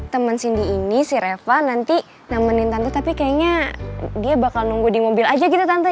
temen cindy ini si reva nanti nemenin tante tapi kayaknya dia bakal nunggu di mobil aja gitu tante